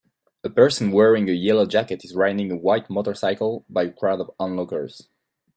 A person wearing a yellow jacket is riding a white motorcycle by a crowd of onlookers